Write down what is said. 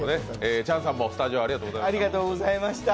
チャンさんもスタジオありがとうございました。